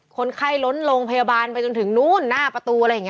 คนไข้ล้นโรงพยาบาลไปจนถึงนู้นหน้าประตูอะไรอย่างนี้